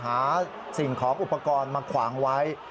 หาสิ่งของอุปกรณ์มาขวางไว้